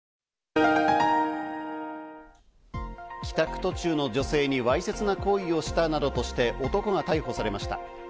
帰宅途中の女性にわいせつな行為をしたなどとして、男が逮捕されました。